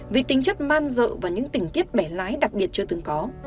vì tính chất man dợ và những tình tiết bẻ lái đặc biệt chưa từng có